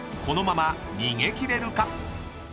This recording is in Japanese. ［このまま逃げ切れるか⁉］